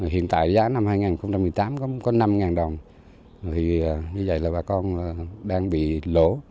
hiện tại giá năm hai nghìn một mươi tám có năm đồng thì như vậy là bà con đang bị lỗ